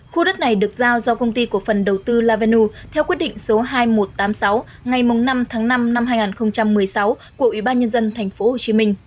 khu đất này được giao do công ty của phần đầu tư lavenu theo quyết định số hai nghìn một trăm tám mươi sáu ngày năm năm hai nghìn một mươi sáu của ủy ban nhân dân tp hcm